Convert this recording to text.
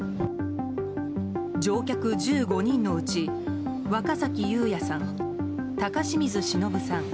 乗客１５人のうち若崎友哉さん、高清水忍さん